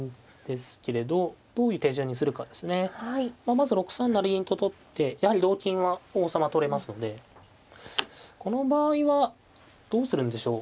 まず６三成銀と取ってやはり同金は王様取れますのでこの場合はどうするんでしょう。